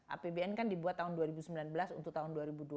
apbn kan dibuat tahun dua ribu sembilan belas untuk tahun dua ribu dua puluh